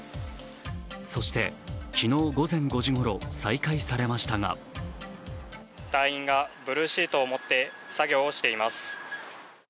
そして、昨日午前５時ごろ、再開されましたが隊員がブルーシートを持って作業をしています。